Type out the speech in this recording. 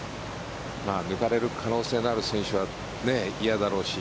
抜かれる可能性のある選手は嫌だろうし